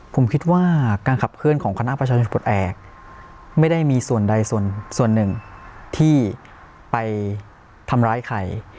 ผมคิดว่าการขับเคลื่อนของคณะประชาชนปลดแอบไม่ได้มีส่วนใดส่วนหนึ่งที่ไปทำร้ายใคร